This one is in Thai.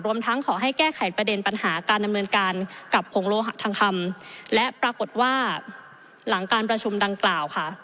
ทั้งขอให้แก้ไขประเด็นปัญหาการดำเนินการกับผงโลหะทองคำและปรากฏว่าหลังการประชุมดังกล่าวค่ะ